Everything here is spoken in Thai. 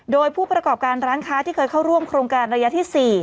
โดยผู้ประกอบการร้านค้าที่เคยเข้าร่วมโครงการระยะที่๔